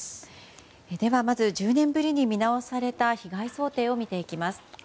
ではまず１０年ぶりに見直された被害想定を見ていきます。